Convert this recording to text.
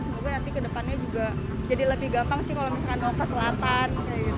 semoga nanti ke depannya juga jadi lebih gampang sih kalau misalkan mau ke selatan